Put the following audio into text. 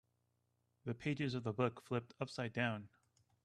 The pages of the book flipped upside down.